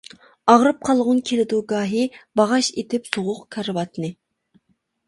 ئاغرىپ قالغۇڭ كېلىدۇ گاھى، باغاش ئېتىپ سوغۇق كارىۋاتنى.